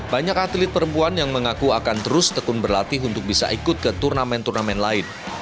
banyak atlet perempuan yang mengaku akan terus tekun berlatih untuk bisa ikut ke turnamen turnamen lain